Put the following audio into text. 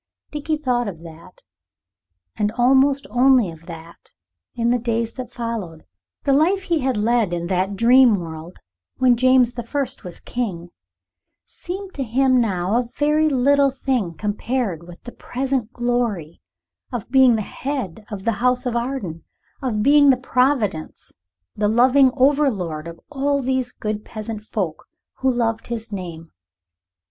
Dickie thought of that, and almost only of that, in the days that followed. The life he had led in that dream world, when James the First was King, seemed to him now a very little thing compared with the present glory, of being the head of the house of Arden, of being the Providence, the loving over lord of all these good peasant folk, who loved his name.